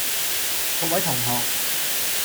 各位同學